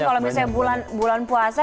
kalau misalnya bulan puasa